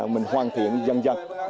mình hoàn thiện dần dần